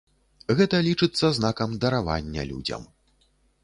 Гэта лічыцца знакам даравання людзям.